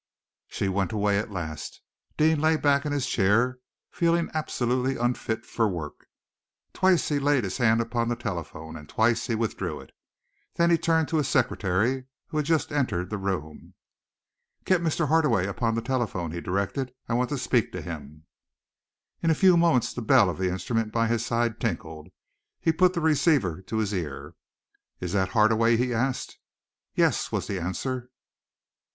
She went away at last. Deane lay back in his chair, feeling absolutely unfit for work. Twice he laid his hand upon the telephone, and twice he withdrew it. Then he turned to his secretary, who had just entered the room. "Get Mr. Hardaway upon the telephone," he directed. "I want to speak to him." In a few moments the bell of the instrument by his side tinkled. He put the receiver to his ear. "Is that Hardaway?" he asked. "Yes!" was the answer.